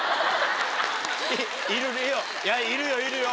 いるよいるよいるよ